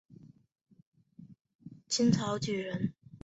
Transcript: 张鸿藻是清朝举人。